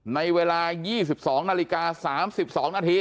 ในเวลา๒๒นาฬิกา๓๒นาที